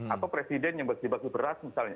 atau presiden yang bergibat di beras misalnya